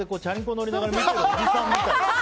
乗りながら見ているおじさんみたい。